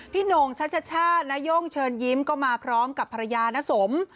พี่โน่งชัชช่านโย่งเชิญยิ้มก็มาพร้อมกับภรรยานสม